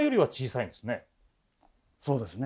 そうですね。